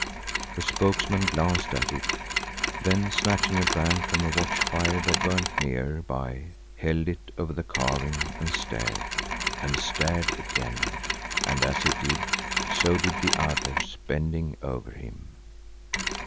The spokesman glanced at it, then snatching a brand from a watch fire that burnt near by held it over the carving and stared, and stared again; and as he did, so did the others bending over him.